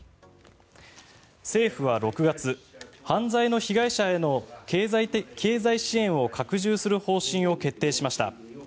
政府は６月犯罪の被害者への経済支援を拡充する方針を決定しました。